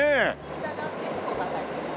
下がディスコが入ります。